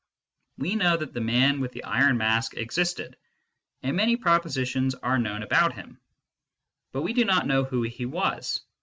We know that the man with the iron mask existed, and many propositions are known about him ; but we do not know who he was.